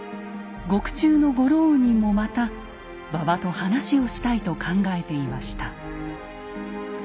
獄中のゴローウニンもまた馬場と話をしたいと考えていました。